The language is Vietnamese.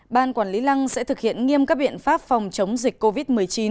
ban quản lý lăng sẽ thực hiện nghiêm các biện pháp phòng chống dịch covid một mươi chín